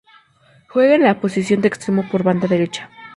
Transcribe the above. Juega en la posición de extremo por banda derecha.